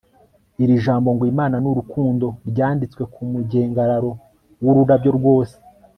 Iri jambo ngo Imana nurukundo ryanditswe ku mugengararo wururabyo rwose